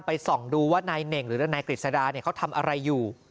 ส่องดูว่านายเน่งหรือนายกฤษดาเขาทำอะไรอยู่